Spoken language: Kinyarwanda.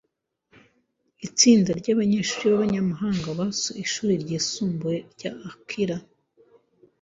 Itsinda ryabanyeshuri b’abanyamahanga basuye ishuri ryisumbuye rya Akira.